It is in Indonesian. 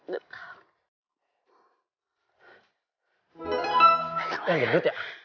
lu yang gedut ya